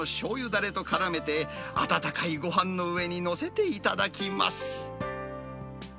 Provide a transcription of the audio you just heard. だれとからめて、温かいごはんの上に載せていただきます。